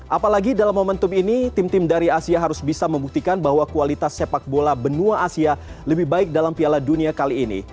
apalagi dalam momentum ini tim tim dari asia harus bisa membuktikan bahwa kualitas sepak bola benua asia lebih baik dalam piala dunia kali ini